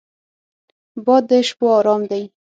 باد د شپو ارام دی